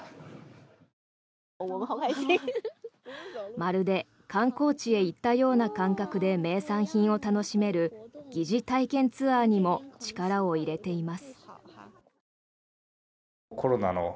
まるで観光地へ行ったような感覚で名産品を楽しめる疑似体験ツアーにも力を入れています。